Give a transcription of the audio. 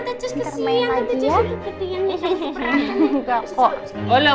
gak usah sama tante jess kesiang